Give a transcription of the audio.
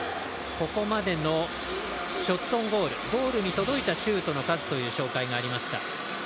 ここまでのショッツオンゴールゴールに届いたシュートの数という紹介がありました。